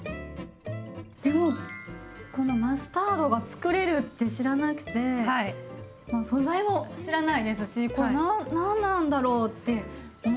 でもこのマスタードがつくれるって知らなくて素材も知らないですしこれ何なんだろうって思ってました。